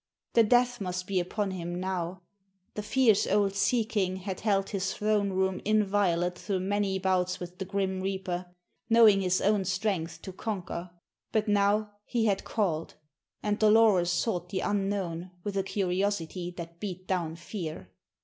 The death must be upon him now; the fierce old sea king had held his throne room inviolate through many bouts with the grim Reaper, knowing his own strength to conquer. But now he had called, and Dolores sought the unknown with a curiosity that beat down fear.